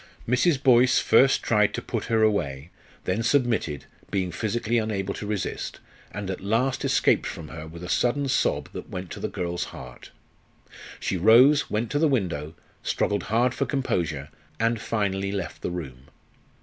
Mrs. Boyce first tried to put her away, then submitted, being physically unable to resist, and at last escaped from her with a sudden sob that went to the girl's heart. She rose, went to the window, struggled hard for composure, and finally left the room.